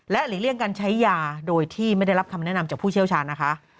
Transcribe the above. หลีกเลี่ยงการใช้ยาโดยที่ไม่ได้รับคำแนะนำจากผู้เชี่ยวชาญนะคะ